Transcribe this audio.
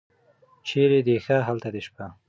چېرې دې ښه هلته دې شپه.